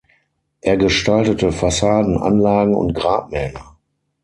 Er gestaltete Fassaden, Anlagen und Grabmäler.